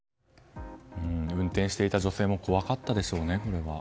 運転していた女性もこれは怖かったでしょうね。